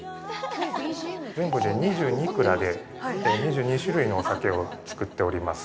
全部で２２蔵で２２種類のお酒を造っております。